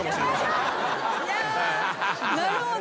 なるほど。